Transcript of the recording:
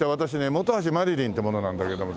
本橋マリリンって者なんだけども。